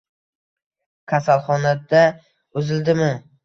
Kasalxonada uzildimi